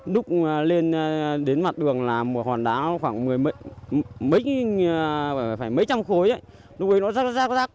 lúc lên đến mặt đường là một hòn đá khoảng mấy trăm khối lúc ấy nó rác rác rác